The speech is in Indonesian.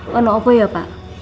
bagaimana ya pak